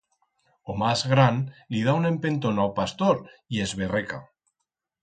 O mas gran li da un empentón a o pastor y esberreca.